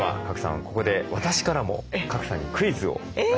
ここで私からも賀来さんにクイズを出したいと思います。